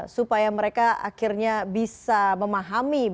supaya mereka akhirnya bisa memahami